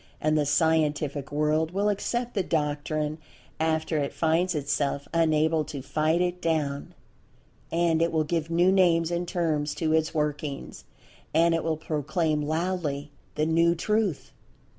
And the Scientific World will accept the doctrine after it finds itself unable to fight it down—and it will give new names and terms to its workings. And it will proclaim loudly the "new" Truth.